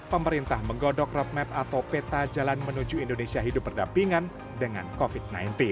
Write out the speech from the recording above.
pemerintah menggodok roadmap atau peta jalan menuju indonesia hidup berdampingan dengan covid sembilan belas